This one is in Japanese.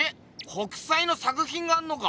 北斎の作品があんのか？